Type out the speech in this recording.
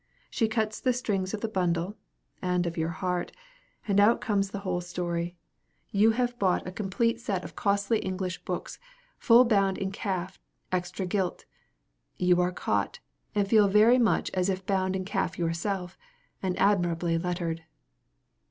She cuts the strings of the bundle (and of your heart), and out comes the whole story. You have bought a complete set of costly English books, full bound in calf, extra gilt! You are caught, and feel very much as if bound in calf yourself, and admirably lettered.